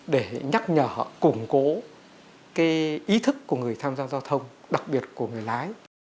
để nhắc nhở củng cố ý thức của người tham gia giao thông đặc biệt của người lái